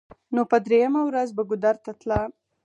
نو په درېمه ورځ به ګودر ته تله.